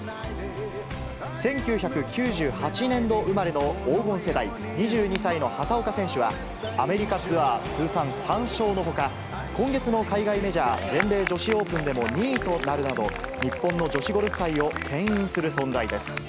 １９９８年度生まれの黄金世代、２２歳の畑岡選手は、アメリカツアー通算３勝のほか、今月の海外メジャー、全米女子オープンでも２位となるなど、日本の女子ゴルフ界をけん引する存在です。